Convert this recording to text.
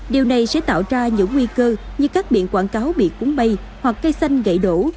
điều này sẽ tạo ra những nguy cơ như các biển quảng cáo bị cuốn bay hoặc cây xanh gãy đổ